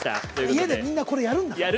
家でみんなこれやるんだから。